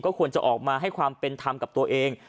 ควรจะออกมาให้ความเป็นธรรมกับตัวเอง